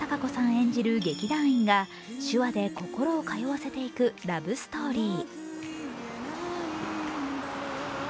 演じる劇団員が手話で心を通わせていくラブストーリー。